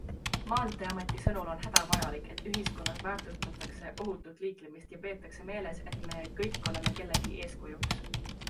Maanteameti sõnul on hädavajalik, et ühiskonnas väärtustatakse ohutut liiklemist ja peetakse meeles, et me kõik oleme kellelegi eeskujuks.